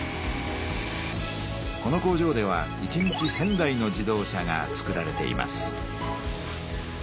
この工場では１日１，０００台の自動車がつくられています。